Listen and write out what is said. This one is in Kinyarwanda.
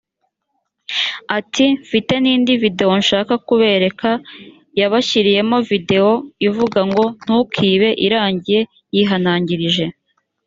ati mfite n indi videwo nshaka kubereka yabashyiriyemo videwo ivuga ngo ntukibe irangiye yihanangirije